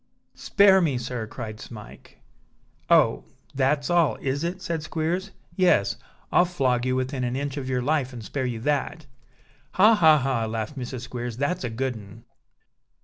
"Spare me, sir!" cried Smike. "Oh! that's all, is it?" said Squeers. "Yes, I'll flog you within an inch of your life, and spare you that." "Ha! ha! ha!" laughed Mrs. Squeers, "that's a good un!"